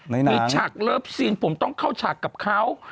มีฉากเลิฟซีนผมต้องเข้าฉากกับเขา